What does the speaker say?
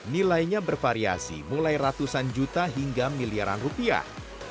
nilainya bervariasi mulai ratusan juta hingga miliaran rupiah